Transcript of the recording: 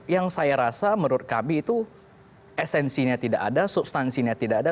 yang saya rasa menurut kami itu esensinya tidak ada substansinya tidak ada